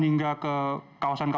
hingga kembali ke tiongkok